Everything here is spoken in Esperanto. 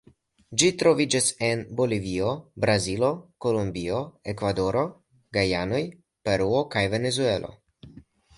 Ĝi troviĝas en Bolivio, Brazilo, Kolombio, Ekvadoro, Gujanoj, Peruo kaj Venezuelo.